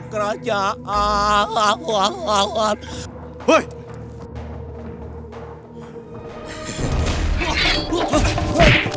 aku tidak mau pulang